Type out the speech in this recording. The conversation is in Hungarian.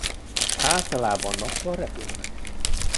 Általában nappal repülnek.